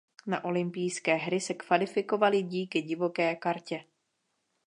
Na olympijské hry se kvalifikoval díky divoké kartě.